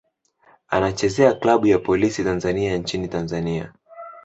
Anachezea klabu ya Polisi Tanzania nchini Tanzania.